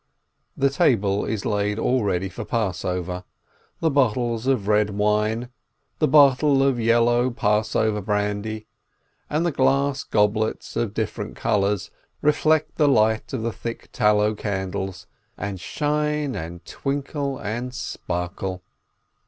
The table is laid ready for Passover. The bottles of red wine, the bottle of yellow Passover brandy, and the glass goblets of different colors reflect the light of the thick tallow candles, and shine and twinkle and sparkle.